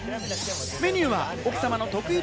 メニューは奥様の得意